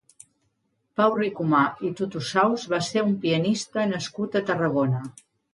Pau Ricomà i Tutusaus va ser un pianista nascut a Tarragona.